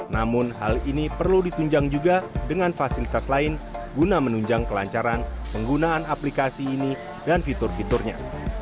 namun hal ini perlu ditunjang juga dengan fasilitas lain guna menunjang kelancaran penggunaan aplikasi ini dan fitur fiturnya